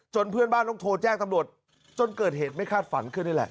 เพื่อนบ้านต้องโทรแจ้งตำรวจจนเกิดเหตุไม่คาดฝันขึ้นนี่แหละ